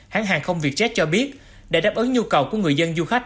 hãng hàng không việt jet cho biết để đáp ứng nhu cầu của người dân du khách